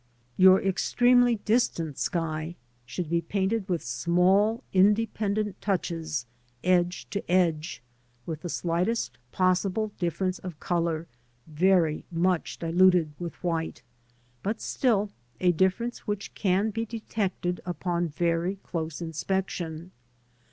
Your extremely distant sky should be painted with small, I independent touches, edge to edge, with the slightest possible difference of colour, very much diluted with white, but still a difference which can be detected upon very close inspection.